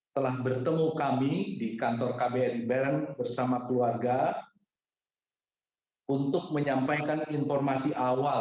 telah bertemu kami di kantor kbri bern bersama keluarga untuk menyampaikan informasi awal